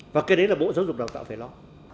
và cái đấy là bộ giáo dục đào tạo phải lo